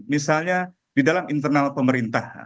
misalnya di dalam internal pemerintah